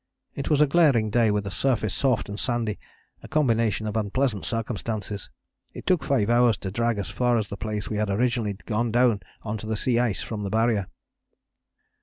It was a glaring day with the surface soft and sandy, a combination of unpleasant circumstances. It took five hours to drag as far as the place we had originally gone down on to the sea ice from the Barrier.